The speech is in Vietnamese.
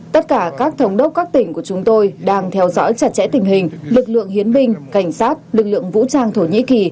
tất cả các thống đốc các tỉnh của chúng tôi đang theo dõi chặt chẽ tình hình lực lượng hiến binh cảnh sát lực lượng vũ trang thổ nhĩ kỳ